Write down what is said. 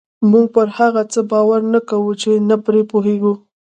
موږ پر هغه څه باور نه کوو چې نه پرې پوهېږو.